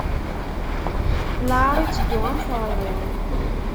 Lɛaṛ iteddu am teṛɣi.